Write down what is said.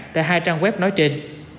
tại hai trang web nói trên